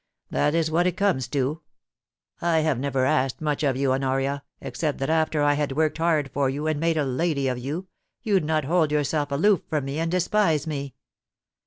' That is what it comes to .... I have never asked much of you, Honoria, except that after I had worked hard for you and made a lady of you, you'd not hold yourself aloof from me and despise me.